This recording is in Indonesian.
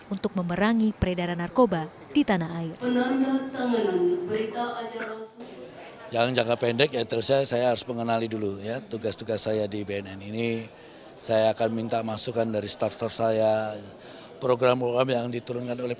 untuk memerangi peredaran narkoba di tanah air